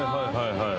はい